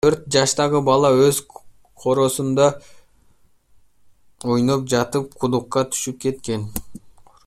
Төрт жаштагы бала өз короосунда ойноп жатып кудукка түшүп кеткен.